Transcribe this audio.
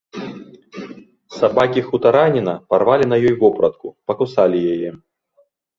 Сабакі хутараніна парвалі на ёй вопратку, пакусалі яе.